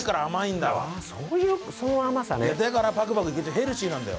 だからパクパクいけてヘルシーなんだよ。